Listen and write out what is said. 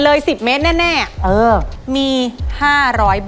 แล้ววันนี้ผมมีสิ่งหนึ่งนะครับเป็นตัวแทนกำลังใจจากผมเล็กน้อยครับ